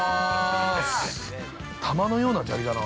玉のような砂利だな。